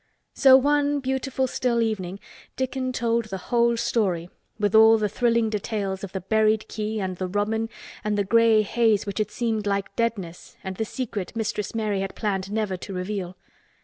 So one beautiful still evening Dickon told the whole story, with all the thrilling details of the buried key and the robin and the gray haze which had seemed like deadness and the secret Mistress Mary had planned never to reveal.